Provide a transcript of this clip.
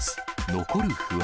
残る不安。